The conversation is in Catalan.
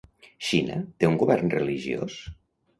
Xina té un govern religiós?